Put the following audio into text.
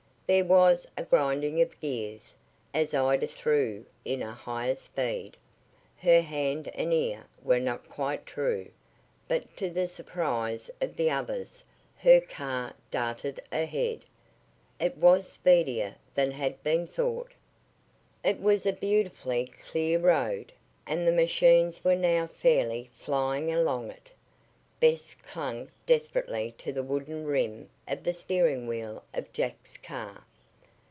There was a grinding of gears, as Ida threw in a higher speed. Her hand and ear were not quite true, but to the surprise of the others her car darted ahead. It was speedier than had been thought. It was a beautifully clear road, and the machines were now fairly flying along it. Bess clung desperately to the wooden rim of the steering wheel of Jack's car.